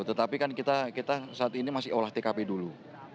tetapi kan kita saat ini masih olah tkp dulu